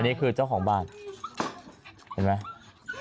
นี่คือเจ้าของบ้านเห็นไหม